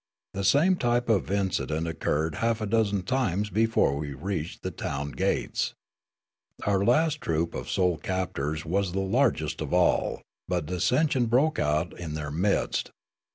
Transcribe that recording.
The same t3^.pe of incid ent occurred half a dozen times before we reached the town gates. Our last troop of soul captors was the largest of all, but dissension broke out in their midst.